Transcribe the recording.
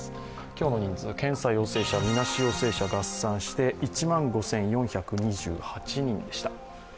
今日の人数、検査陽性者、みなし陽性者合算して１万５４２８人でした。